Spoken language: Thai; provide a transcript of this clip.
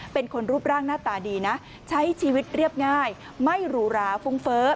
เป็นคนรูปร่างหน้าตาดีนะใช้ชีวิตเรียบง่ายไม่หรูหราฟุ้งเฟ้อ